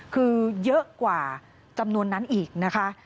คือเยอะกว่าจำนวนนั้นอีกนะคะ